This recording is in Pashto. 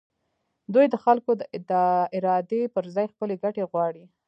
دوی د خلکو د ارادې پر ځای خپلې ګټې غواړي.